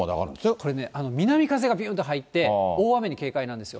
これね、南風がびゅんと入って、大雨に警戒なんですよ。